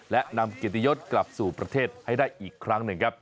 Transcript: และนำเกียรติยศกลับสู่ประเทศให้ได้อีกครั้งหนึ่งครับ